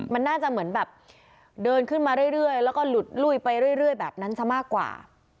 มันน่าจะเหมือนแบบเดินขึ้นมาเรื่อยแล้วก็หลุดลุยไปเรื่อยแบบนั้นซะมากกว่า